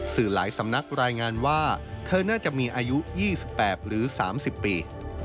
สื่อหลายสำนักรายงานว่าเธอน่าจะมีอายุ๒๘หรือ๓๐ปี